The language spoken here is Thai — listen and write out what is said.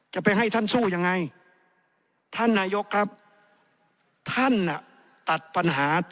จะไปให้ท่านสู้ยังไงท่านนายกครับท่านน่ะตัดปัญหา